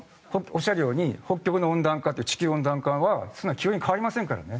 おっしゃるように北極の温暖化と地球温暖化は急に変わりませんからね。